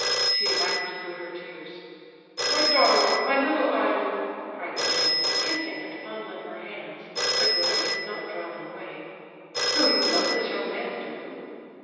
She laughed through her tears. "My darling, my little idol," cried the general, kissing and fondling her hands (Aglaya did not draw them away); "so you love this young man, do you?"